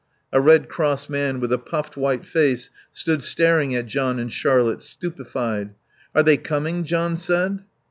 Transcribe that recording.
A Red Cross man, with a puffed white face, stood staring at John and Charlotte, stupefied. "Are they coming?" John said.